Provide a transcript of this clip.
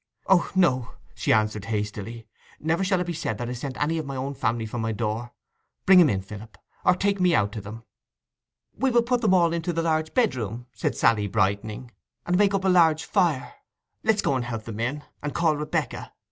'O no,' she answered hastily; 'never shall it be said that I sent any of my own family from my door. Bring 'em in, Philip, or take me out to them.' 'We will put 'em all into the large bedroom,' said Sally, brightening, 'and make up a large fire. Let's go and help them in, and call Rebekah.